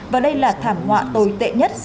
và đây là thảm họa tồi tệ nhất